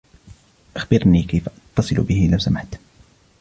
أخبرني كيف أتصل به لو سمحت.